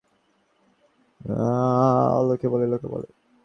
ইহা বাস্তবিক মঙ্গলকর না হইয়া মহা অমঙ্গলকর হইবে।